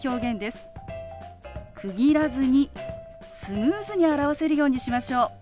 区切らずにスムーズに表せるようにしましょう。